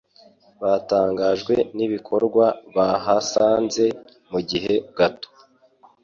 Batangajwe n'ibikorwa bahasanze mugihe gato